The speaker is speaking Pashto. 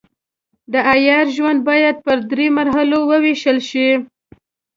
د عیار ژوند باید پر دریو مرحلو وویشل شي.